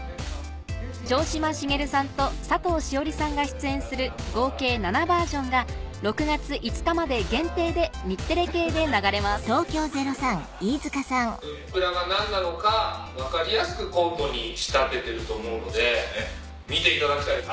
城島茂さんと佐藤栞里さんが出演する合計７バージョンが６月５日まで限定で日テレ系で流れますと思うので。